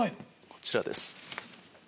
こちらです。